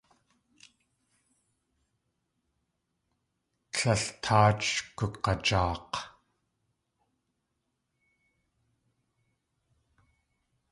Tlél táach gug̲ajaak̲.